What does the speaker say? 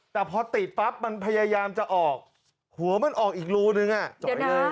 แต่พอติดปั๊บมันพยายามจะออกหัวมันออกอีกรูนึงอ่ะเดี๋ยวนะ